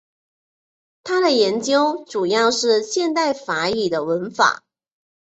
他的研究主要在现代法语的文法。